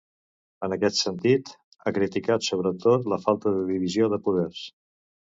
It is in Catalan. En aquest sentit, ha criticat sobretot la falta de divisió de poders.